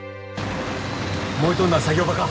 燃えとんのは作業場か。